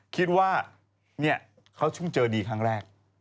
คิดว่าเขาเพิ่งเจอดีครั้งแรก